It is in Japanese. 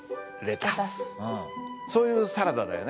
そういうサラダだよね。